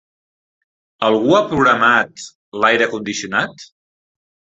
Algú ha programat l'aire condicionat?